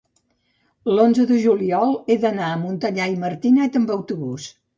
l'onze de juliol he d'anar a Montellà i Martinet amb autobús.